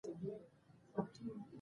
تاسو کولای سئ د څپو شمېر وشمېرئ.